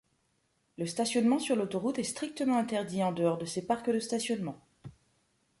Le stationnement sur l'autoroute est strictement interdit en dehors de ces parcs de stationnement.